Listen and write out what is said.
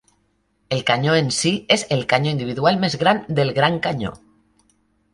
El canyó en sí és el canyó individual més gran del Gran Canyó.